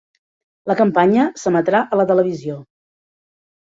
La campanya s'emetrà a la televisió.